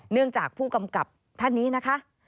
เนื่องจากผู้กำกับท่านนี้นะคะ